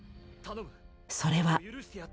それは。